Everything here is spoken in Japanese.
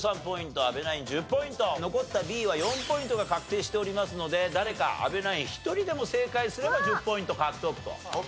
ポイント阿部ナイン１０ポイント残ったＢは４ポイントが確定しておりますので誰か阿部ナイン１人でも正解すれば１０ポイント獲得と。